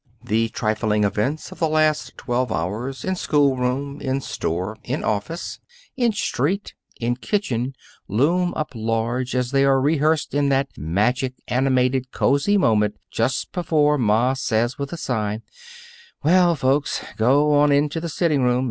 The trifling events of the last twelve hours in schoolroom, in store, in office, in street, in kitchen loom up large as they are rehearsed in that magic, animated, cozy moment just before ma says, with a sigh: "Well, folks, go on into the sitting room.